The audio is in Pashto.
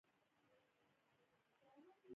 قوم پسې یې اړه لرله، تر اوسه یې په ژبه کې ژوندی